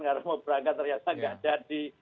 karena mau berangkat ternyata tidak jadi